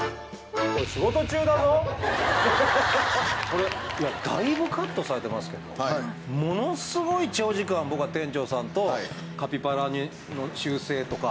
「これだいぶカットされてますけどものすごい長時間僕は店長さんとカピバラの習性とか」